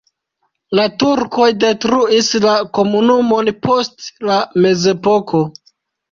La turkoj detruis la komunumon post la mezepoko.